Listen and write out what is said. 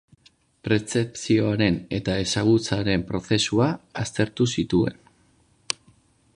Pertzepzioaren eta ezagutzaren prozesua aztertu zituen.